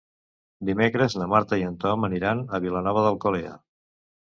Dimecres na Marta i en Tom aniran a Vilanova d'Alcolea.